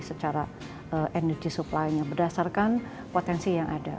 secara energi supply nya berdasarkan potensi yang ada